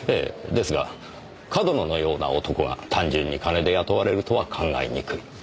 ですが上遠野のような男が単純に金で雇われるとは考えにくい。